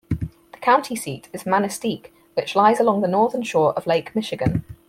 The county seat is Manistique, which lies along the northern shore of Lake Michigan.